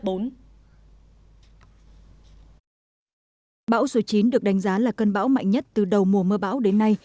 bão số chín được đánh giá là cơn bão mạnh nhất từ đầu mùa mưa bão đến nay